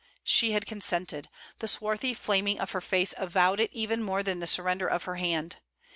She had consented. The swarthy flaming of her face avowed it even more than the surrender of her hand.